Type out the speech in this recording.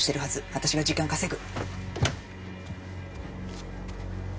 私が時間稼ぐ。